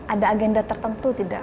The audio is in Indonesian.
ada agenda tertentu tidak